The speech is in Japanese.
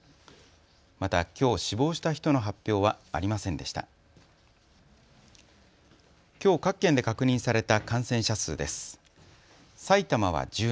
またきょう死亡した人の発表はありませんでした。